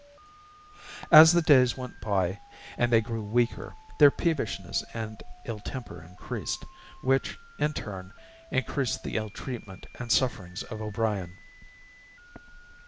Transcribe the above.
As the days went by and they grew weaker, their peevishness and ill temper increased, which, in turn, increased the ill treatment and sufferings of O'Brien.